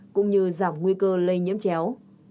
cũng như giảm nguy cơ lây nhiễm chéo